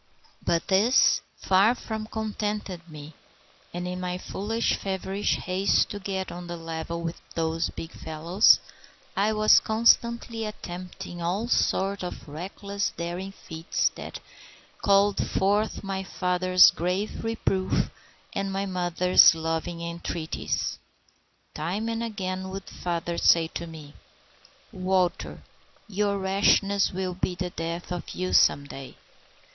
But this far from contented me, and in my foolish feverish haste to get on a level with those big fellows, I was constantly attempting all sort of reckless, daring feats, that called forth my father's grave reproof and my mother's loving entreaties. Time and again would father say to me,— "Walter, your rashness will be the death of you some day.